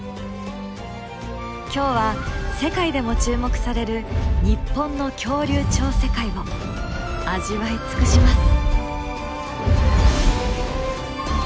今日は世界でも注目される日本の恐竜超世界を味わい尽くします！